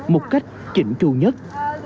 một cách chỉnh trù nhất